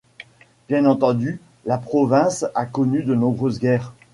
Bien entendu, la province a connu de nombreuses guerres.